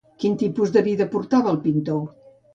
Quin tipus de vida portava el pintor?